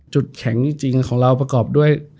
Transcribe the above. จุดแข็งจริงของเราประกอบด้วย